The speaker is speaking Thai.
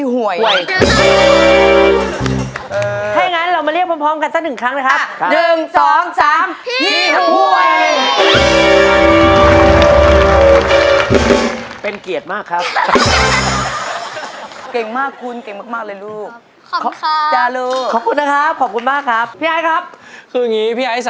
ห่วย